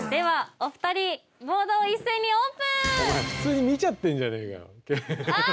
お前普通に見ちゃってんじゃねえかよあ！